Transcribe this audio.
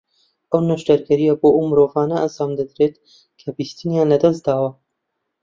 ئەو نەشتەرگەرییە بۆ ئەو مرۆڤانە ئەنجامدەدرێت کە بیستنیان لە دەست داوە